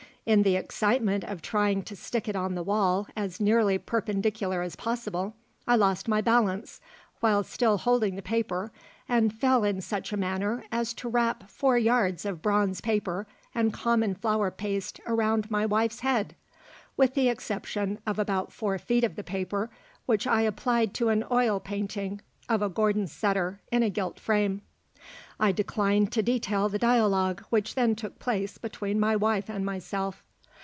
In the excitement of trying to stick it on the wall as nearly perpendicular as possible, I lost my balance while still holding the paper and fell in such a manner as to wrap four yards of bronze paper and common flour paste around my wife's head, with the exception of about four feet of the paper which I applied to an oil painting of a Gordon Setter in a gilt frame. I decline to detail the dialogue which then took place between my wife and myself.